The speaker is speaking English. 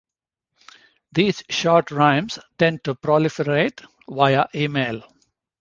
These short rhymes tend to proliferate via email.